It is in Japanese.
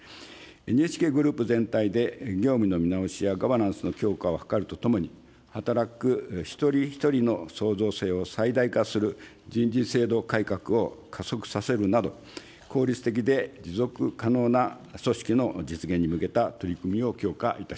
ＮＨＫグループ全体で業務の見直しやガバナンスの強化を図るとともに、働く一人一人の創造性を最大化する人事制度改革を加速させるなど、効率的で持続可能な組織の実現に向けた取り組みを強化いたします。